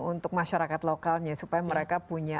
untuk masyarakat lokalnya supaya mereka punya